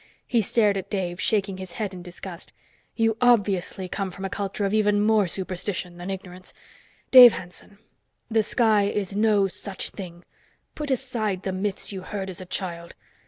He stared at Dave, shaking his head in disgust. "You obviously come from a culture of even more superstition than ignorance. Dave Hanson, the sky is no such thing. Put aside the myths you heard as a child.